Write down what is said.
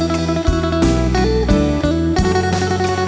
มีช่วงตามซุนทรีย์